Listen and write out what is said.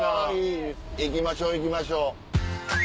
行きましょ行きましょ。